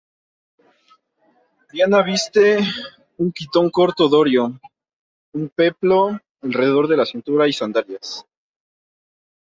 Diana viste un quitón corto dorio, un peplo alrededor de la cintura y sandalias.